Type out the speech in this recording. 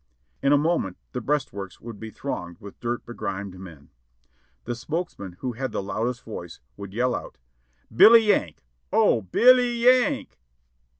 In a moment the breastworks would be thronged with dirt be grimed men. The spokesman who had the loudest voice would yell out: "Billy Yank! O— B i 1 l y— Y a n k